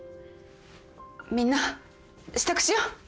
みんな支度しよう。